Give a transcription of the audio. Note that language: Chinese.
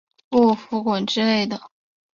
不服滚之类的